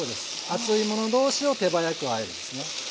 熱いもの同士を手早くあえるんですね。